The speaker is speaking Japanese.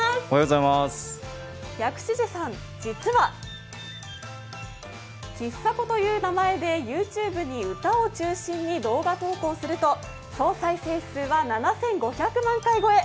薬師寺さん、実はキッサコという名前でＹｏｕＴｕｂｅに歌を中心に動画投稿すると、総再生回数は７５００万回超え